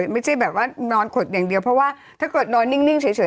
ไม่ใช่แบบว่านอนขดอย่างเดียวเพราะว่าถ้าเกิดนอนนิ่งเฉย